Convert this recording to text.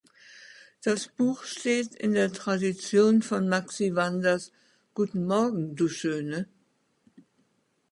Das Buch steht in der Tradition von Maxie Wanders "Guten Morgen, du Schöne.